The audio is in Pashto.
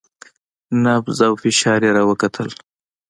نبض او فشار يې راوکتل.